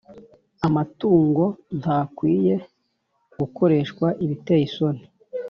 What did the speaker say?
Amatungo ntakwiye gukoreshwa ibiteye isoni